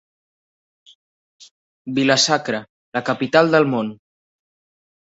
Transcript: Vila-sacra, la capital del món.